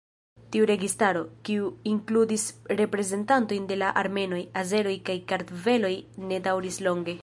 Tiu registaro, kiu inkludis reprezentantojn de la armenoj, azeroj kaj kartveloj ne daŭris longe.